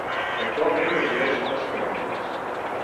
Actualment resideix a Les Cabanyes.